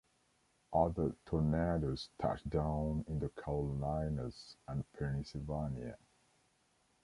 Other tornadoes touched down in the Carolinas and Pennsylvania.